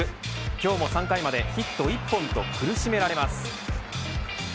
今日も３回までヒット１本と苦しめられます。